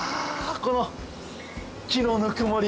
この木のぬくもり。